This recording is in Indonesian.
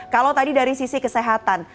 kalau tadi dari sisi kesehatan